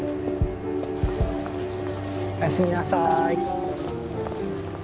おやすみなさい！